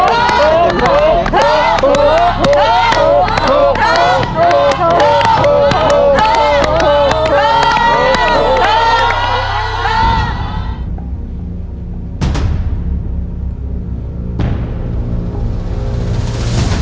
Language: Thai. ครับ